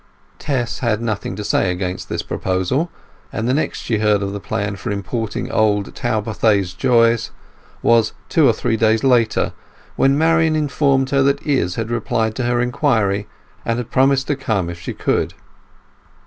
Tess had nothing to say against the proposal, and the next she heard of this plan for importing old Talbothays' joys was two or three days later, when Marian informed her that Izz had replied to her inquiry, and had promised to come if she could.